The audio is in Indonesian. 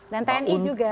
dan tni juga